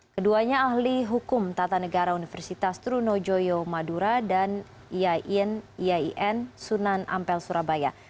keduanya ahli hukum tata negara universitas trunojoyo madura dan iain sunan ampel surabaya